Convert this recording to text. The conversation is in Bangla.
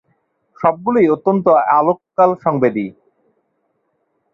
সবগুলোই অত্যন্ত আলোককাল-সংবেদী।